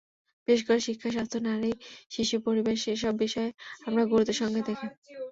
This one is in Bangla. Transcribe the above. বিশেষ করে শিক্ষা, স্বাস্থ্য, নারী, শিশু, পরিবেশ—এসব বিষয় আমরা গুরুত্বের সঙ্গে দেখি।